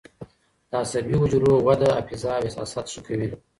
د عصبي حجرو وده حافظه او احساسات ښه کوي.